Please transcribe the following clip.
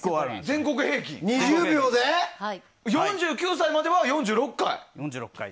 ４９歳までは４６回と。